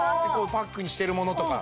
パックにしてるものとか。